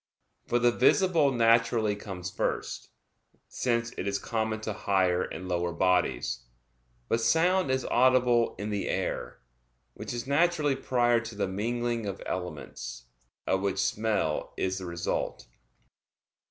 For the visible naturally comes first; since it is common to higher and lower bodies. But sound is audible in the air, which is naturally prior to the mingling of elements, of which smell is the result.